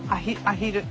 アヒル。